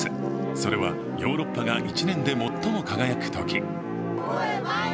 それはヨーロッパが１年で最も輝く時。